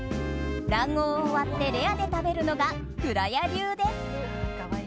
卵黄を割ってレアで食べるのが蔵や流です。